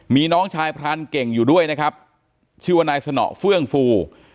มีน้องชายพรานเก่งอยู่ด้วยนะครับชื่อว่านายสนอเฟื่องฟู